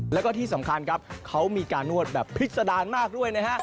แล้วก็ที่สำคัญครับเขามีการนวดแบบพิษดารมากด้วยนะฮะ